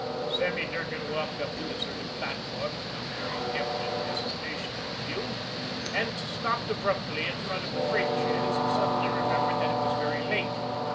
Sammy Durgan walked up the deserted platform with no very definite destination in view, and stopped abruptly in front of the freight shed as he suddenly remembered that it was very late.